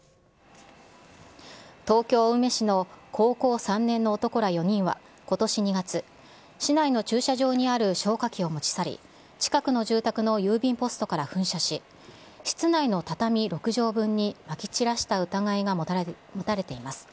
東京・青梅市の高校３年の男ら４人は、ことし２月、市内の駐車場にある消火器を持ち去り、近くの住宅の郵便ポストから噴射し、室内の畳６畳分にまき散らした疑いが持たれています。